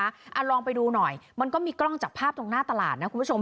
เอาลองไปดูหน่อยมันก็มีกล้องจากภาพตรงหน้าตลาดนะคุณผู้ชม